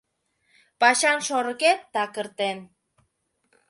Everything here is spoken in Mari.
Пачан шорыкет такыртен.